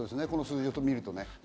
この数字を見ると。